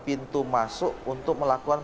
pintu masuk untuk melakukan